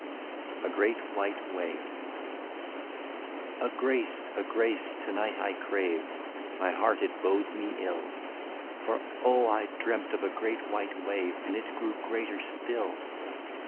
A GREAT WHITE WAVE. '* A GRACE, a grace, to night I crave, — My heart it bodes me ill ; For oh ! I dreamt of a great white wave. And it grew greater still."